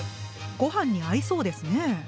ご飯に合いそうですね！